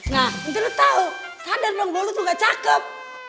nah itu lo tau sadar dong lo itu gak cakep